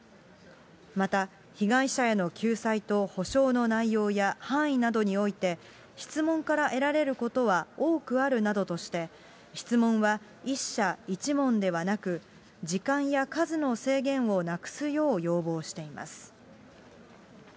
また、被害者への救済と補償の内容や範囲などにおいて、質問から得られることは多くあるなどとして、質問は一社一問ではなく時間や数の制限をなくすよう要望しています。